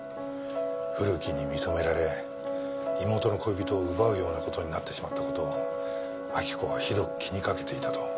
古木に見初められ妹の恋人を奪うような事になってしまった事を亜木子はひどく気に掛けていたと。